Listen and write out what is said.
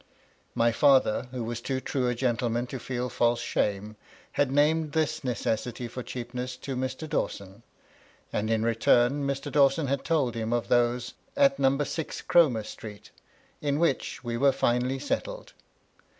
My father, who was too true a gentleman to feel fedse shame, had named this necessity for cheapness to Mr. Dawson ; and in return, Mr. Dawson had told him of those at No. 6 Cromer Street, in which we were finally settled.